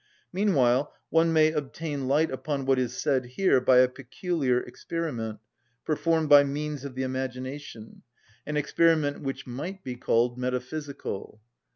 Meanwhile one may obtain light upon what is said here by a peculiar experiment, performed by means of the imagination, an experiment which might be called metaphysical.